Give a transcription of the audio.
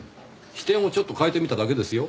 視点をちょっと変えてみただけですよ。